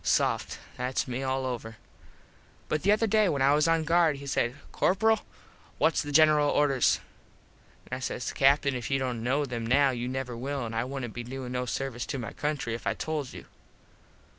Soft. Thats me all over. But the other day when I was on guard he says, "Corperal, whats the General orders?" an I says, "Captin if you dont kno them now you never will and I wouldnt be doin no service to my country if I told you."